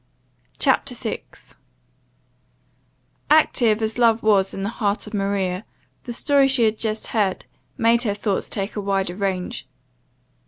CHAPTER 6 ACTIVE as love was in the heart of Maria, the story she had just heard made her thoughts take a wider range.